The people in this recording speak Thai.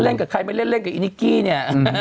เล่นกับใครไม่เล่นกับอีนิกี้นี่